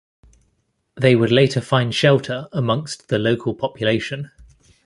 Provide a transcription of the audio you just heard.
They would later find shelter amongst the local population.